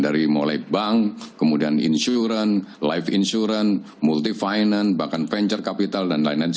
dari mulai bank kemudian insurance life insurance multi finance bahkan venture capital dan lain lain